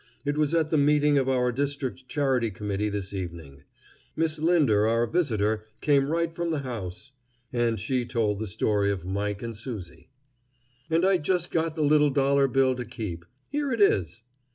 It was at the meeting of our district charity committee this evening. Miss Linder, our visitor, came right from the house." And she told the story of Mike and Susie. "And I just got the little dollar bill to keep. Here it is."